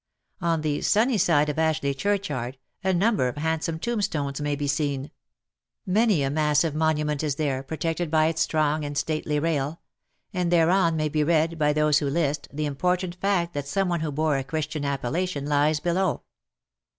On the sunny side of Ashleigh churchyard, a number of handsome tomb stones may be seen ; many a massive monument is there, protected by its strong and stately rail; and thereon maybe read, by those who list, the important fact that some one who bore a Christian appellation^, lies below.